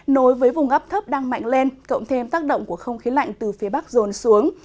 nối với vùng ấp thấp đang mạnh lên cộng thêm tác động của không khí lạnh từ phía bắc rồn xuống